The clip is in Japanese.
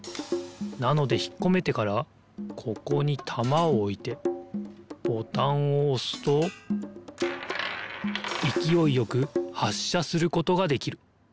なのでひっこめてからここにたまをおいてボタンをおすといきおいよくはっしゃすることができる。